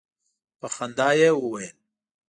په خندا یې وویل.